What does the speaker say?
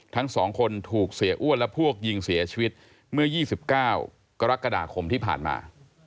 ทั้งสองคนถูกเสียอ้วนและพวกยิงเสียชีวิตเมื่อ๒๙กรกฎาคมที่ผ่านมา